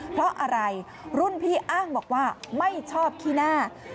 เพราะอะไรรุ่นพี่อ้างบอกว่าไม่ชอบขี้หน้า